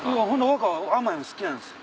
若甘いの好きなんです。